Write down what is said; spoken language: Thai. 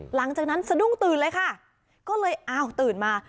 หลังจากนั้นสะดุ้งตื่นเลยค่ะก็เลยอ้าวตื่นมา